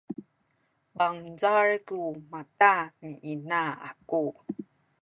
bangcal ku mata ni ina aku